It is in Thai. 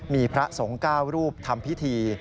มีพระสงฆ์๙รูปทำพิธี